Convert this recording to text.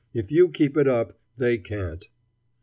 If you keep it up, they can't.